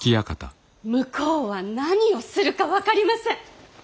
向こうは何をするか分かりません！